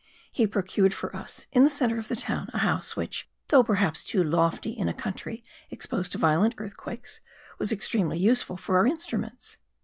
He procured for us, in the centre of the town, a house which, though perhaps too lofty in a country exposed to violent earthquakes, was extremely useful for our instruments.